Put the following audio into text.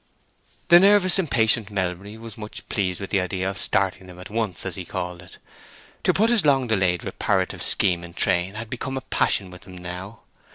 The nervous, impatient Melbury was much pleased with the idea of "starting them at once," as he called it. To put his long delayed reparative scheme in train had become a passion with him now.